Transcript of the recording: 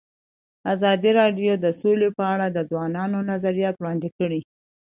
ازادي راډیو د سوله په اړه د ځوانانو نظریات وړاندې کړي.